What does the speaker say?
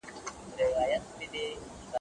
واک د ګوند له خوا نیول کیږي.